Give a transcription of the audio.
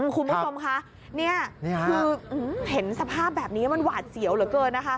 คุณผู้ชมคะนี่คือเห็นสภาพแบบนี้มันหวาดเสียวเหลือเกินนะคะ